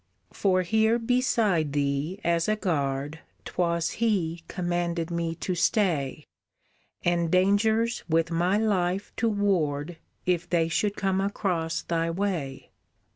"For here beside thee, as a guard 'Twas he commanded me to stay, And dangers with my life to ward If they should come across thy way.